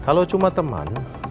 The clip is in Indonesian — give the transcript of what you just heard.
kalau cuma teman